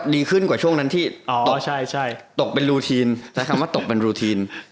ดีขึ้นกว่าช่วงนั้นที่ตกเป็นรูทีน